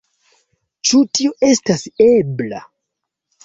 Ĉu tio estas ebla?